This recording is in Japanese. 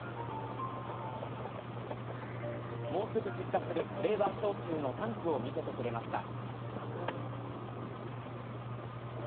もうすぐ出荷するフレーバー焼酎のタンクを見せてくれました。